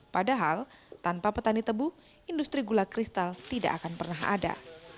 padahal tanpa petani tebu industri gula kristal tidak akan pernah ada